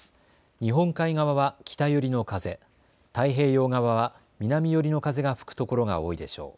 日本海側は北寄りの風、太平洋側は南寄りの風が吹くところが多いでしょう。